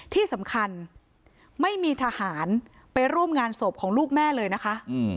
ที่สำคัญไม่มีทหารไปร่วมงานศพของลูกแม่เลยนะคะ